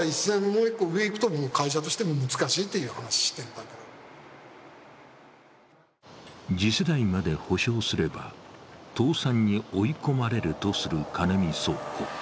ただ次世代まで補償すれば倒産に追い込まれるとするカネミ倉庫。